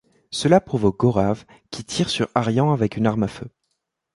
Cela provoque Gaurav, qui tire sur Aryan avec une arme à feu.